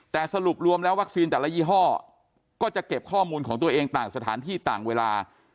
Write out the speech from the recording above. แต่สรุปรวมแล้ววัคซีนแต่ละยี่ห้อก็จะเก็บข้อมูลของตัวเองต่างสถานที่ต่างเวลา